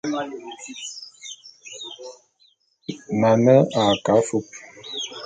Nane a ke afúp.